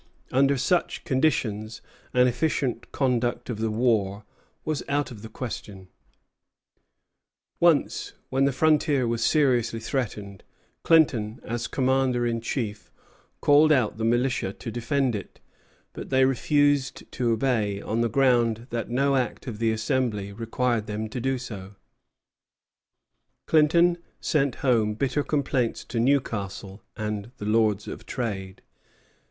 Under such conditions an efficient conduct of the war was out of the question. Once, when the frontier was seriously threatened, Clinton, as commander in chief, called out the militia to defend it; but they refused to obey, on the ground that no Act of the Assembly required them to do so. [Footnote: Clinton to the Lords of Trade, 10 Nov. 1747.] Clinton sent home bitter complaints to Newcastle and the Lords of Trade.